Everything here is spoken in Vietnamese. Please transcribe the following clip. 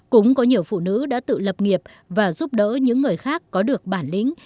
cũng có nhiều phụ nữ đã tự lập nghiệp và giúp đỡ những người khác có được bản lĩnh